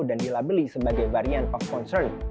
dilabeli sebagai varian of concern